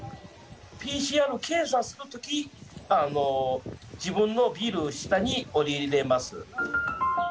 ＰＣＲ検査するとき、自分のビル、下に下りれます。